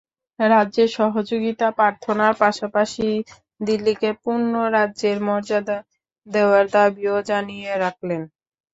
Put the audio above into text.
রাজ্যে সহযোগিতা প্রার্থনার পাশাপাশি দিল্লিকে পূর্ণ রাজ্যের মর্যাদা দেওয়ার দাবিও জানিয়ে রাখলেন।